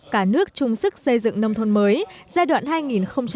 cả nước chung sức xây dựng nông thôn mới giai đoạn hai nghìn hai mươi một hai nghìn hai mươi